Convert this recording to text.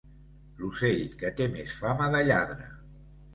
L'ocell que té més fama de lladre.